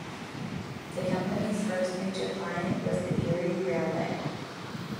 The company's first major client was the Erie Railway.